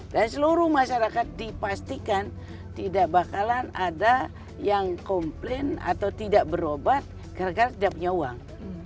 dan seluruh masyarakat dipastikan tidak bakalan ada yang komplain atau tidak berobat gara gara tidak punya uang